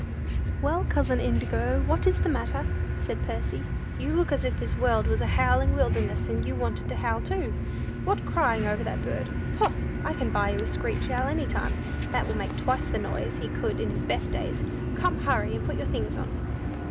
"Well, cousin Indigo, what is the matter?" said Percy; "you look as if this world was a howling wilderness, and you wanted to howl too. What, crying over that bird? Poh! I can buy you a screech owl any time, that will make twice the noise he could in his best days. Come, hurry, and put your things on!"